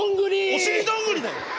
お尻どんぐりだよ！